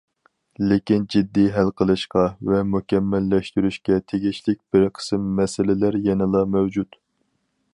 لېكىن جىددىي ھەل قىلىشقا ۋە مۇكەممەللەشتۈرۈشكە تېگىشلىك بىر قىسىم مەسىلىلەر يەنىلا مەۋجۇت.